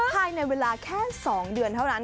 ภายในเวลาแค่๒เดือนเท่านั้น